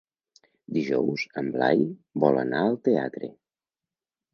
Dijous en Blai vol anar al teatre.